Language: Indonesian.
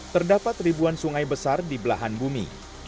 terdapat ribuan sungai besar di belahan bumi